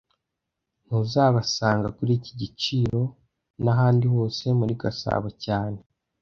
Ntuzabasanga kuri iki giciro nahandi hose muri Gasabo cyane